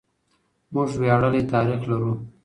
موږ وياړلی تاريخ لرو.